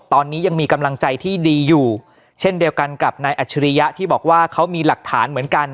ตอนนี้ยังมีกำลังใจที่ดีอยู่เช่นเดียวกันกับนายอัจฉริยะที่บอกว่าเขามีหลักฐานเหมือนกัน